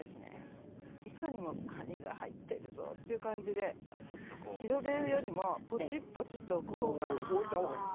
いかにもカニが入っているぞという感じで広げるよりもぽちぽちと置いた方が。